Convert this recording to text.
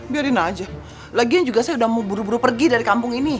biarin aja lagian juga saya udah mau buru buru pergi dari kampung ini